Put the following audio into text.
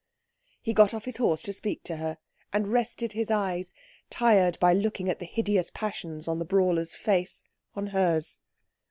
He got off his horse to speak to her, and rested his eyes, tired by looking at the hideous passions on the brawler's face, on hers.